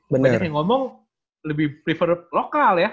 banyak yang ngomong lebih prefer lokal ya